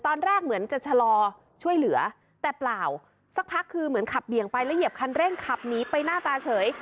ตอนแรกเหมือนจะชะลอช่วยเหลือแต่เปล่าสักพักคือเหมือนขับเบี่ยงไปแล้วเหยียบคันเร่งขับหนีไปหน้าตาเฉย